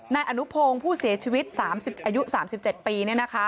นายอนุพงศ์ผู้เสียชีวิตอายุ๓๗ปี